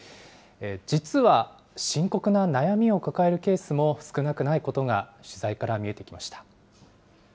実は深刻な悩みを抱えるケースも少なくないことが取材から見えてきました。